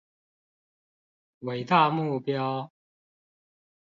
偉大目標